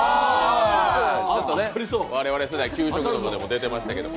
我々世代、給食とかにも出てましたけれども。